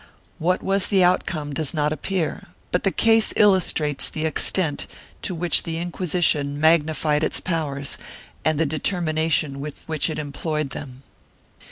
2 What was the out come does not appear, but the case illustrates the extent to which the Inquisition magnified its powers and the determination with which it employed them.